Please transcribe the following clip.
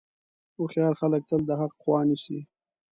هوښیار خلک تل د حق خوا نیسي.